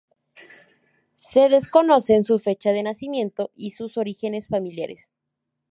Se desconocen su fecha de nacimiento y sus orígenes familiares.